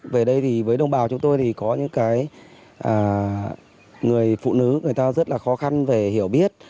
về đây thì với đồng bào chúng tôi thì có những cái người phụ nữ người ta rất là khó khăn về hiểu biết